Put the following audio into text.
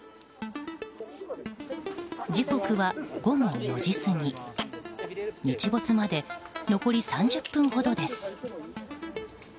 時刻は午後４時過ぎ日没まで残り３０分ほどです。